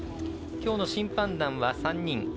きょうの審判団は３人。